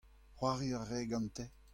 c'hoari a rae gante.